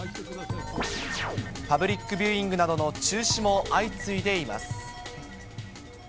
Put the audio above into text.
パブリックビューイングなどの中止も相次いでいます。